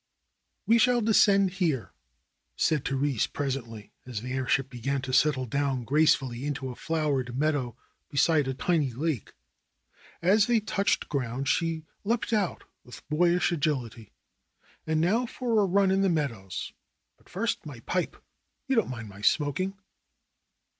'^We shall descend here," said Therese presently, as the airship began to settle down gracefully into a flowered meadow beside a tiny lake. As they touched ground she leaped out with boyish agility. ^'And now for a run in the meadows, but first my pipe ! You don't mind my smoking